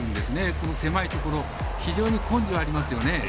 この狭いところを非常に根性ありますよね。